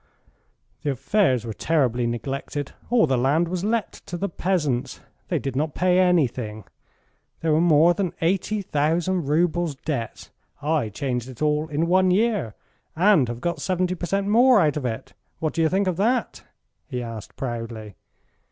"The affairs were terribly neglected. All the land was let to the peasants. They did not pay anything. There were more than eighty thousand roubles debts. I changed it all in one year, and have got 70 per cent. more out of it. What do you think of that?" he asked proudly.